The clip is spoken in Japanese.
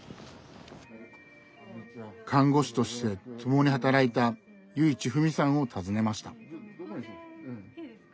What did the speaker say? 看護師として共に働いた由井千富美さんを訪ねました。